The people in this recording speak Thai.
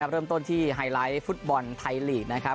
เริ่มต้นที่ไฮไลต์ฟุตบอลค่ะ